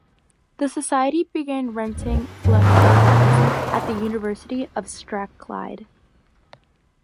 The Society began renting lecture halls at the University of Strathclyde.